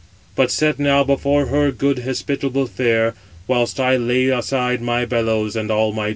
But set now before her good hospitable fare, whilst I lay aside my bellows and all my tools."